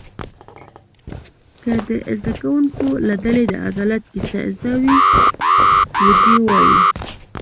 که د زده کوونکو له ډلې د عدالت کیسه زده وي و دې وایي.